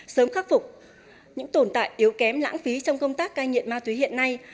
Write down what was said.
sớm khắc phục những tồn tại yếu kém lãng phí trong công tác cai nghiện ma túy hiện nay